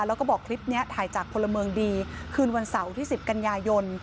แล้วก็บอกคลิปนี้ถ่ายจากพลเมืองดีคืนวันเสาร์ที่๑๐กันยายน